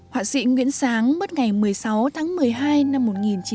họa sĩ nguyễn sáng mất ngày một mươi sáu tháng một mươi hai năm một nghìn chín trăm bảy mươi